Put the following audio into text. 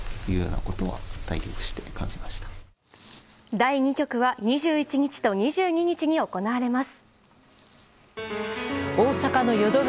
第２局は２１日と２２日に行われます。